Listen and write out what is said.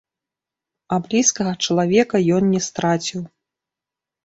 А блізкага чалавека ён не страціў.